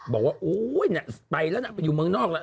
บอกว่าโอ๊ยน่ะไปแล้วนะไปอยู่เมืองนอกแล้ว